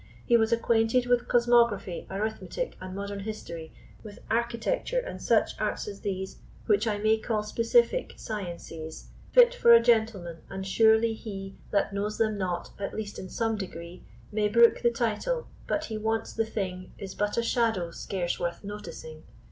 He was acquainted with cosmography, Arithmetic, and modern history; With architecture and such arts as these, Which I may call specifick sciences Fit for a gentleman; and surely he That knows them not, at least in some degree, May brook the title, but he wants the thing, Is but a shadow scarce worth noticing.